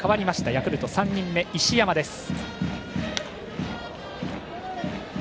ヤクルト３人目、石山です。